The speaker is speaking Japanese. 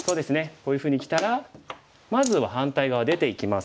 こういうふうにきたらまずは反対側出ていきます。